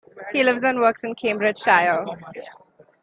He lives and works in Cambridgeshire.